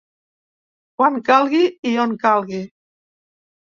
Quan calgui i on calgui.